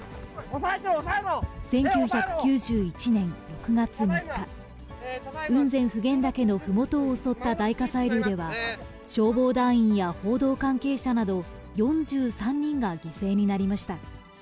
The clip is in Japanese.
１９９１年６月３日、雲仙・普賢岳のふもとを襲った大火砕流では、消防団員や報道関係者など、４３人が犠牲になりました。